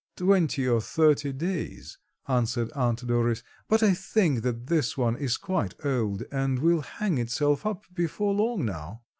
"Twenty or thirty days," answered Aunt Doris. "But I think that this one is quite old and will hang itself up before long now."